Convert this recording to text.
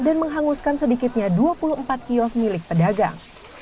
dan menghanguskan sedikitnya dua puluh empat kios milik pedagang